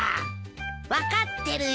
分かってるよ。